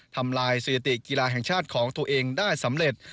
ทำลายสถิติกีฬาแห่งชาติของตัวเองได้สำเร็จ